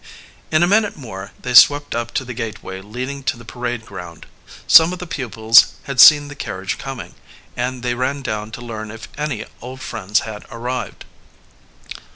In a minute more they swept up to the gateway leading to the parade ground. Some of the pupils had seen the carriage coming, and they ran down to learn if any old friends had arrived.